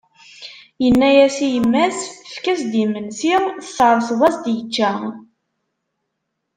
Yenna-as i yemma-s: Efk-as-d imensi, tesres-as-d yečča.